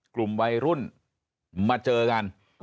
กลุ่มวัยรุ่นมาเจอกัน